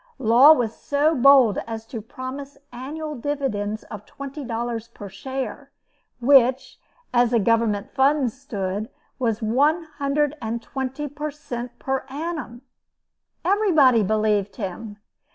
Law was so bold as to promise annual dividends of $20 per share, which, as the Government funds stood, was one hundred and twenty per cent. per annum.! Everybody believed him.